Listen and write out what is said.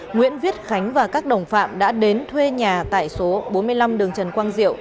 nguyễn viết khánh và các đồng phạm đã đến thuê nhà tại số bốn mươi năm đường trần quang diệu